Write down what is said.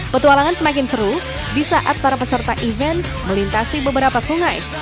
petualangan semakin seru di saat para peserta event melintasi beberapa sungai